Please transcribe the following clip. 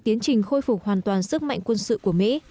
tiến trình khôi phục hoàn toàn sức mạnh quân sự của mỹ